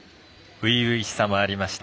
初々しさもありました